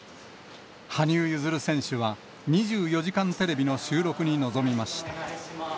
羽生結弦選手は、２４時間テレビの収録に臨みました。